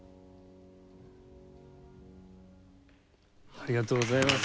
ありがとうございます。